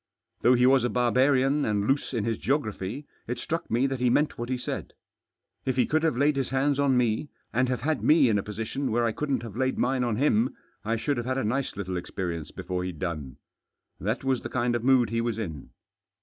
Though he was a barbarian and loose in his geo graphy, it struck me that he meant what he said. If he could have laid his hands on me, and have had me 862 THE JOSS. in a position where I couldn't have laid mine on him, I should have had a nice little experience before he'd done. That was the kind of mood he was in.